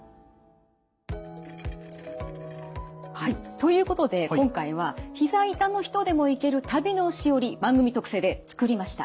ということで今回はひざ痛の人でも行ける旅のしおり番組特製で作りました。